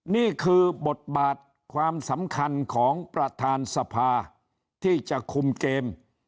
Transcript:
นี่คือบทบาทความสำคัญของประธานสภาที่จะคุมเกม